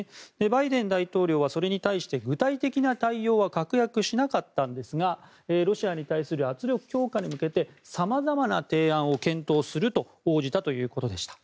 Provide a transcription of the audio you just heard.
バイデン大統領はそれに対して具体的な対応は確約しなかったんですがロシアに対する圧力強化に向けて様々な提案を検討すると応じたということでした。